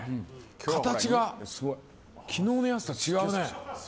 形が昨日のやつとは違うね。